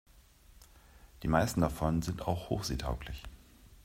Die meisten davon sind auch hochseetauglich.